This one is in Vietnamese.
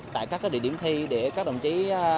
tại các địa điểm thi để các đồng chí